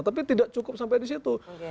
tapi tidak cukup sampai disitu